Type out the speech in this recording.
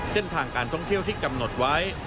เส้นทางการท่องเที่ยวที่กำหนดไว้